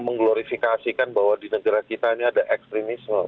mengglorifikasikan bahwa di negara kita ini ada ekstremisme